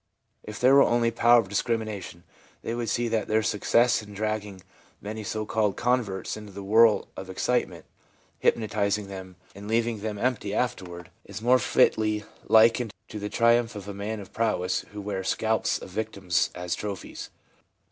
If there were only power of discrimination, they would see that their success in dragging many so called converts into the whirl of excitement, hypnot ising them, and leaving them empty afterward, is more 1 Moll, op. cit., p. 364. 13 174 THE PSYCHOLOGY OF RELIGION fitly likened to the triumph of a man of prowess who wears scalps of victims as trophies.